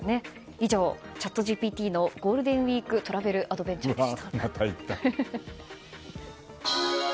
以上、チャットＧＰＴのゴールデンウィークトラベルアドベンチャーでした。